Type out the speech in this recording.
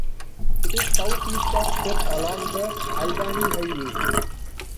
It is southeast of Perth along the Albany Highway.